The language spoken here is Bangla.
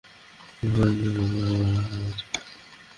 তখন আমরাও অনেক কিছু অনুধাবন করিনি।